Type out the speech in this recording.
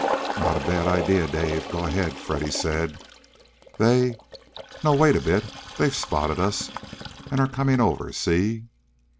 "Not a bad idea, Dave; go ahead," Freddy said. "They no, wait a bit! They've spotted us, and are coming over. See?"